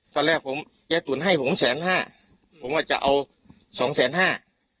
ตอนแรกผมยายตุ๋นให้หกแสนห้าผมว่าจะเอาสองแสนห้า